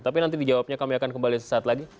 tapi nanti dijawabnya kami akan kembali sesaat lagi